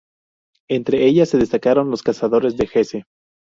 Entre ellas se destacaron los cazadores de Hesse.